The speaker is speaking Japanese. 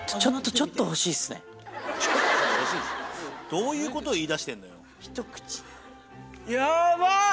どういうことを言い出してんのよ？